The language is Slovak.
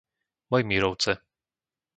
Mojmírovce